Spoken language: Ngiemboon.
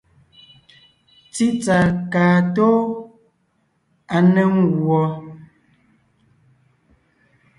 Tsítsà kaa tóo, à ne ńguɔ.